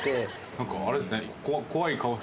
何かあれですね。